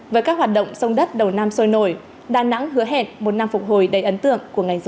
với các hoạt động sông đất đầu nam sôi nổi đà nẵng hứa hẹn một năm phục hồi đầy ấn tượng của ngành du lịch